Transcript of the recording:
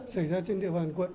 xảy ra trên địa bàn quận